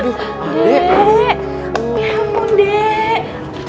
dek ya ampun dek